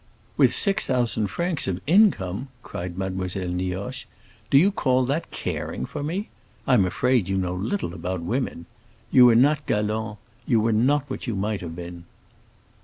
"With six thousand francs of income!" cried Mademoiselle Nioche. "Do you call that caring for me? I'm afraid you know little about women. You were not galant; you were not what you might have been."